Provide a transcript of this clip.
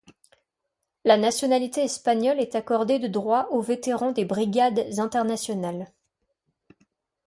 La nationalité espagnole est accordée de droit aux vétérans des Brigades internationales.